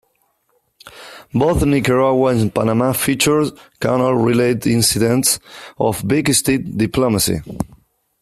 Both Nicaragua and Panama featured canal related incidents of Big Stick Diplomacy.